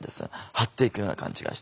張っていくような感じがして。